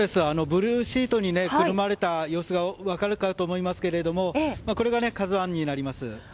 ブルーシートにくるまれた様子が分かるかと思いますがこれが「ＫＡＺＵ１」になります。